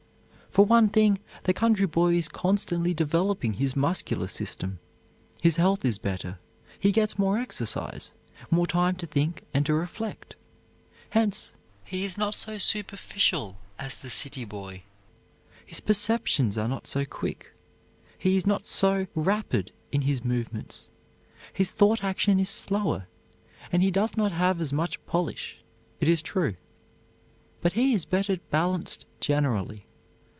For one thing, the country boy is constantly developing his muscular system. His health is better. He gets more exercise, more time to think and to reflect; hence, he is not so superficial as the city boy. His perceptions are not so quick, he is not so rapid in his movements, his thought action is slower and he does not have as much polish, it is true, but he is better balanced generally.